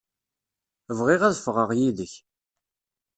Bɣiɣ ad ffɣeɣ yid-k.